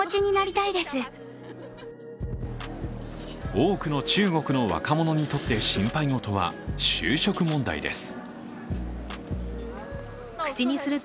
多くの中国の若者にとって心配事は就職問題です。